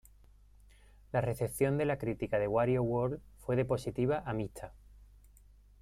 La recepción de la crítica de Wario World fue de positiva a mixta.